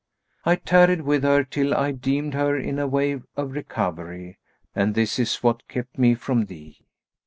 I tarried with her till I deemed her in a way of recovery, and this is what kept me from thee.